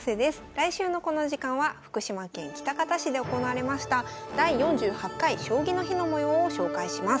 来週のこの時間は福島県喜多方市で行われましたの模様を紹介します。